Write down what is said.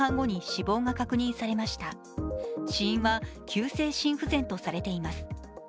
死因は急性心不全とされています。